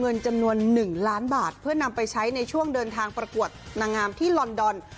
เงินจำนวน๑ล้านบาทเพื่อนำไปใช้ในช่วงเดินทางประกวดนางงามที่ลอนดอน